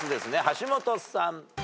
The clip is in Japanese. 橋本さん。